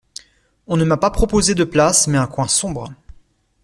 On ne m’a pas proposé de place mais un coin sombre.